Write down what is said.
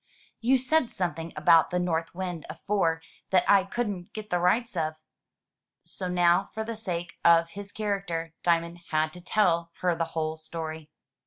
'* "You said something about the north wind afore that I couldn't get the rights of." So now, for the sake of his character. Diamond had to tell her the whole story.